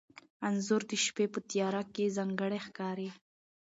انځور د شپې په تیاره کې ځانګړی ښکاري.